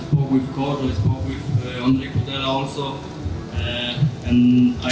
membuat keputusan untuk membuat pergerakan ini